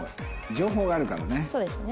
情報があるからね。